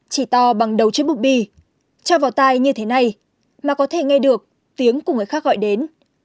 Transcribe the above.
chỉ to bằng đầu chân búp bi cho vào tai như thế này mà có thể nghe được tiếng của người khác gọi đến